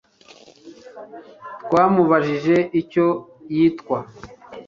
Twamubajije icyo yitwa